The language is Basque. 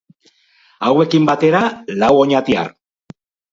Hauekin batera, lau oñatiar.